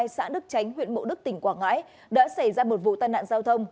xã đức chánh huyện mộ đức tỉnh quảng ngãi đã xảy ra một vụ tàn nạn giao thông